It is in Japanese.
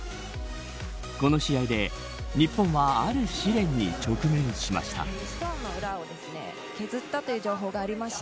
この試合で日本はある試練に直面しました。